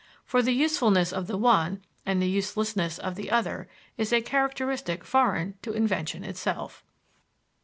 For the usefulness of the one and the "uselessness" of the other is a characteristic foreign to invention itself.